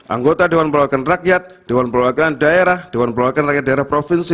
anggota dewan perwakilan rakyat dewan perwakilan daerah dewan perwakilan rakyat daerah provinsi